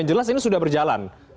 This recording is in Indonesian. jelas ini sudah berjalan